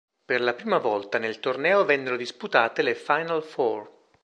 Per la prima volta nel torneo vennero disputate le "Final Four".